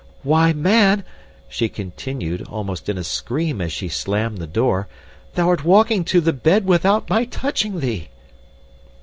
Why, man," she continued almost in a scream as she slammed the door, "thou'rt walking to the bed without my touching thee!